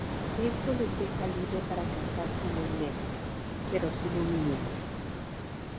Esto les deja libre para casarse en la iglesia, pero sin un ministro.